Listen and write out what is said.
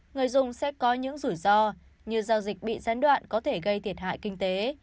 người dùng sẽ có những rủi ro như giao dịch bị gián đoạn có thể gây thiệt hại kinh tế